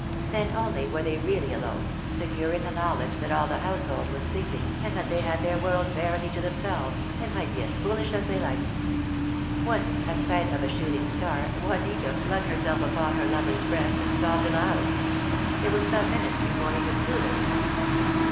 Then only were they really alone, secure in the knowledge that all the house hold was sleeping, and that they had their world verily to themselves, and might be as foolish as they liked. Once at sight of a shooting star Juanita flung herself upon her lover's breast and sobbed aloud. It was some minutes before he could soothe her.